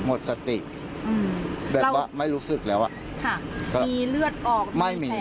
หมดสติแบบว่าไม่รู้สึกแล้วอ่ะค่ะมีเลือดออกไม่มีแพ้